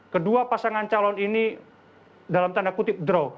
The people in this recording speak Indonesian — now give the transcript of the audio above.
kedua pasangan calon ini dalam tanda kutip draw